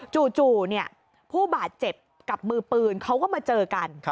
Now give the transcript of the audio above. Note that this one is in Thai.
จู่ผู้บาดเจ็บกับมือปืนเขาก็มาเจอกัน